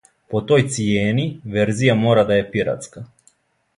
По тој цијени, верзија мора да је пиратска.